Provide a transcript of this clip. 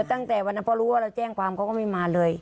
ตั้งแต่วันนั้นพอรู้ว่าเราแจ้งความเขาก็ไม่มาเลย